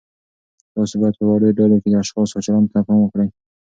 تاسو باید په وړو ډلو کې د اشخاصو چلند ته پام وکړئ.